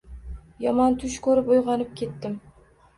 Yomon tush ko`rib uyg`onib ketdim